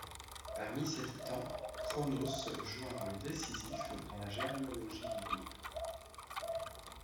Parmi ces titans, Cronos joue un rôle décisif dans la généalogie divine.